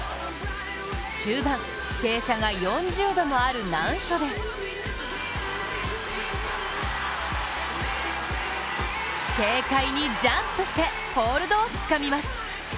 中盤、傾斜が４０度もある難所で軽快にジャンプしてホールドをつかみます。